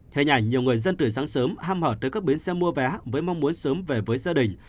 thế nhảy nhiều người dân từ sáng sớm ham hở tới các biến xe mua vé với mong muốn sớm về với gia đình